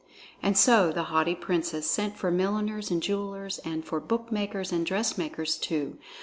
And so the haughty princess sent for milliners and jewelers and for bootmakers and dressmakers too.